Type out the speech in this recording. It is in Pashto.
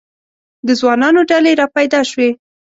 د ځوانانو ډلې را پیدا شوې.